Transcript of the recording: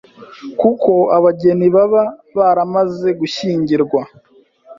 kuko abageni baba baramaze gushyingirwa